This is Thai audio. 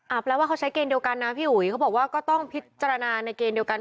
แปลว่าเขาใช้เกณฑ์เดียวกันนะพี่อุ๋ยเขาบอกว่าก็ต้องพิจารณาในเกณฑ์เดียวกัน